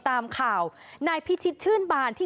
ทีนี้จากรายทื่อของคณะรัฐมนตรี